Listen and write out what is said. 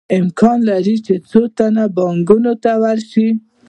امکان لري څو تنه بانکونو ته ورشي